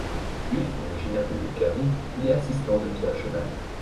Juif originaire de Bulgarie, il est assistant de Pierre Chenal.